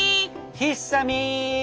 ひっさみん。